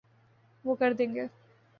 وہ کر دیں گے۔